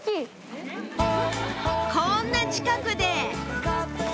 こんな近くで！